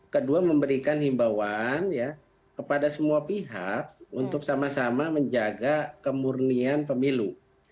kedua memberikan himbauan kepada semua pihak untuk sama sama menjaga kemurnian pemilu